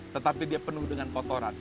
tetapi dia penuh dengan kotoran